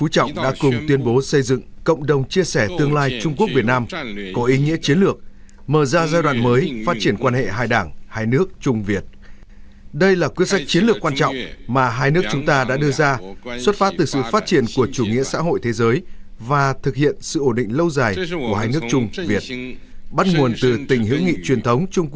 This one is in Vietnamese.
truyền thống trung quốc việt nam phù hợp với lợi ích chung